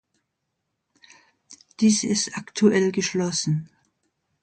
Dies ist aktuell geschlossen.